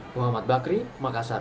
muhammad bakri makassar